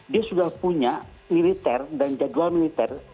dia sudah punya militer dan jadwal militer